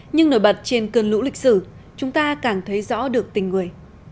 nhưng nổi bật trên cơn lũ lịch sử chúng ta càng thấy rõ được tình người